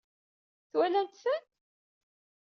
Twalamt-ten?